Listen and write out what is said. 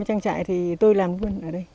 trang trại thì tôi làm luôn ở đây